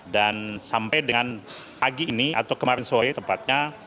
dan sampai dengan pagi ini atau kemarin sore tepatnya